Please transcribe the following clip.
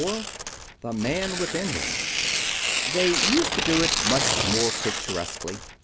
Ha!" IV THE MAN WITHIN HIM They used to do it much more picturesquely.